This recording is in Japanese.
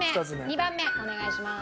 ２番目お願いします。